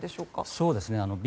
そうですね。